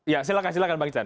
ya silahkan silahkan bang ican